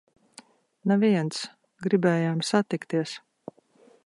Neviens! Gribējām satikties!